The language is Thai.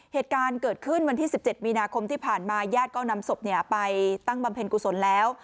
เหตุการณ์เกิดขึ้นวันที่๑๗มีนาคมที่ผ่านมาญาติก็นำศพไปตั้งบำเพ็ญกุศลแล้ว